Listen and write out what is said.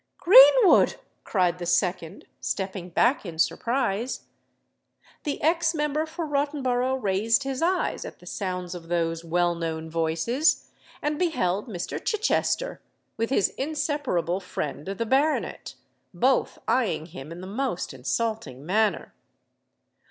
"Greenwood!" cried the second, stepping back in surprise. The ex member for Rottenborough raised his eyes at the sounds of those well known voices, and beheld Mr. Chichester, with his inseparable friend the baronet, both eyeing him in the most insulting manner.